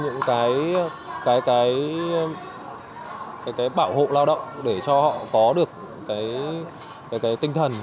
những cái bảo hộ lao động để cho họ có được cái tinh thần